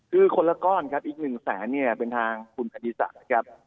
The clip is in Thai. คือคนละก้อนครับอีก๑แสนเนี่ยเป็นทางคุณอดีศักดิ์นะครับ